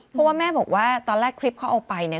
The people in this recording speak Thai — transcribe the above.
เพราะว่าแม่บอกว่าตอนแรกคลิปเขาเอาไปเนี่ย